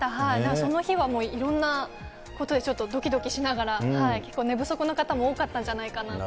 その日はもう、いろんなことにちょっとどきどきしながら、結構、寝不足の方も多かったんじゃないかな。